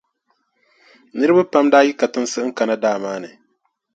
Niriba pam daa yi katinsi n-kana daa maa ni,